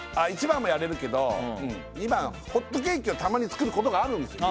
１番もやれるけど２番ホットケーキをたまに作ることがあるんですよ